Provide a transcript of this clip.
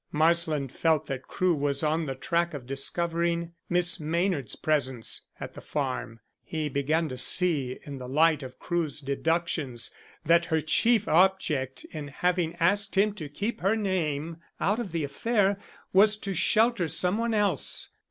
Marsland felt that Crewe was on the track of discovering Miss Maynard's presence at the farm. He began to see in the light of Crewe's deductions that her chief object in having asked him to keep her name out of the affair was to shelter some one else.